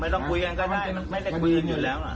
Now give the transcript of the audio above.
ไม่ต้องคุยกันก็ได้ไม่ได้คุยกันอยู่แล้ว